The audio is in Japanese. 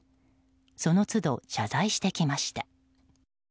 その都度、謝罪してきました。